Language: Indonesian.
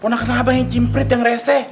pernah kenal abang yang cimprit yang rese